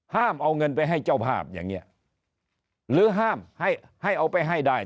ห้ามเอาเงินไปให้เจ้าภาพอย่างนี้หรือห้ามให้ให้เอาไปให้ได้